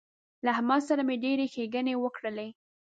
له احمد سره مې ډېرې ښېګڼې وکړلې